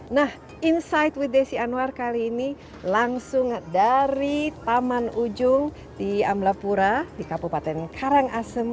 nah insight with desi anwar kali ini langsung dari taman ujung di amlapura di kabupaten karangasem